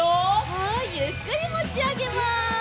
はいゆっくりもちあげます。